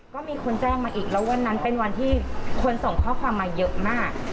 ก็มีคนแจ้งมาอีกแล้ววันนั้นเป็นวันที่คนส่งข้อความมาเยอะมาก